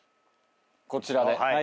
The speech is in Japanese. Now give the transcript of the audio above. こちらで。